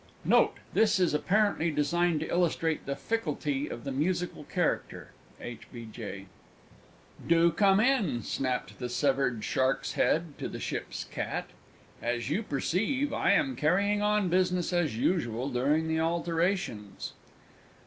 Note. This is apparently designed to illustrate the ficklety of the Musical Character. H. B. J. "Do come in!" snapped the severed Shark's Head to the Ship's Cat. "As you perceive, I am carrying on business as usual during the alterations."